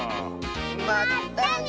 まったね！